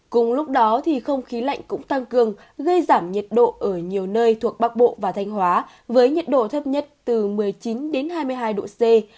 cùng lúc đó thì không khí lạnh cũng tăng cường gây giảm nhiệt độ ở nhiều nơi thuộc bắc bộ và thanh hóa với nhiệt độ thấp nhất từ một mươi chín hai mươi hai độ c